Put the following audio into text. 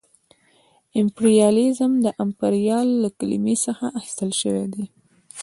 امپریالیزم د امپریال له کلمې څخه اخیستل شوې ده